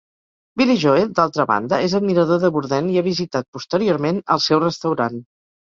Billy Joel, d'altra banda, és admirador de Bourdain i ha visitat posteriorment el seu restaurant.